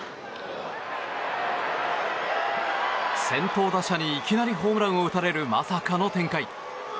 先頭打者にいきなりホームランを打たれる、まさかの展開。